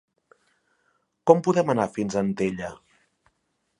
Com podem anar fins a Antella?